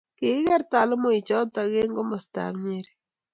kikigeer talamoichoto eng komodtab Nyeri